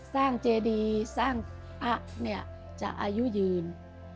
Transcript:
สร้างเจดีสร้างพระจะอายุยืน